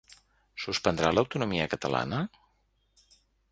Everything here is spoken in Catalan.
Suspendrà l’autonomia catalana?